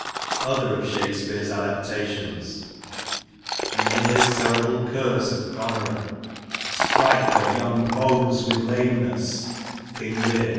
Other of Shakespeare's adaptations. In Lear's terrible curse of Goneril, * strike her young bones with lame ness ' (King Lear, II.